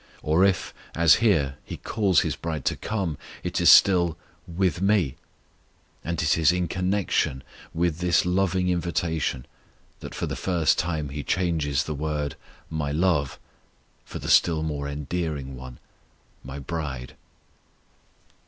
Or if, as here, He calls His bride to come, it is still "with Me," and it is in connection with this loving invitation that for the first time He changes the word "My love," for the still more endearing one, "My bride."